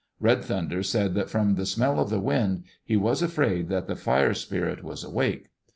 '* Red Thunder said that from the "smell of the wind" he was afraid that the Fire Spirit was awake.